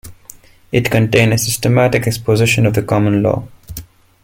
It contained a systematic exposition of the common law.